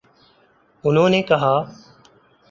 انہوں نے کہا